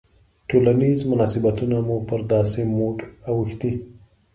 ټولنیز مناسبتونه مو پر داسې موډ اوښتي.